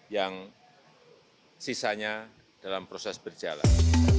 yang sisanya dalam proses berjalan